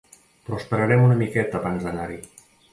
Però esperarem una miqueta abans d'anar-hi.